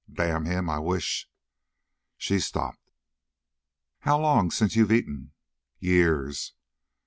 Damn him! I wish " She stopped. "How long since you've eaten?" "Years!"